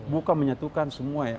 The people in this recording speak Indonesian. bukan menyatukan semua ya